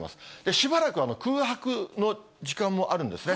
しばらく空白の時間もあるんですね。